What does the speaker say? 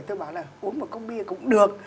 tôi bảo là uống một cốc bia cũng được